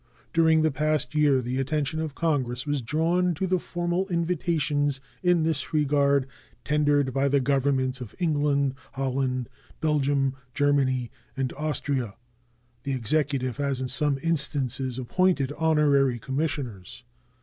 During the past year the attention of Congress was drawn to the formal invitations in this regard tendered by the Governments of England, Holland, Belgium, Germany, and Austria. The Executive has in some instances appointed honorary commissioners.